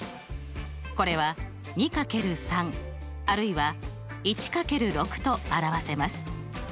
これは２×３あるいは１×６と表せます。